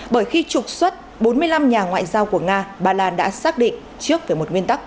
bởi khi trục xuất bốn mươi năm nhà ngoại giao của nga ba lan đã xác định trước về một nguyên tắc